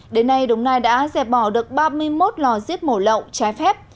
đến nay đồng nai đã dẹp bỏ được ba mươi một lò giết mổ lậu trái phép